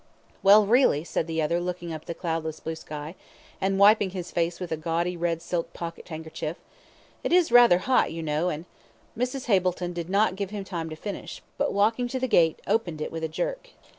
"Well, really," said the other, looking up at the cloudless blue sky, and wiping his face with a gaudy red silk pocket handkerchief, "it is rather hot, you know, and " Mrs. Hableton did not give him time to finish, but walking to the gate, opened it with a jerk.